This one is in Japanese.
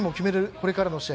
これからの試合